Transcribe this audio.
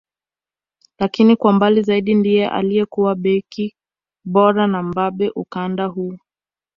Lakini kwa mbali zaidi ndiye aliyekuwa beki bora na mbabe ukanda huu